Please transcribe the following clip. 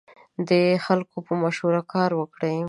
د خلکو په مشوره کار وکړئ.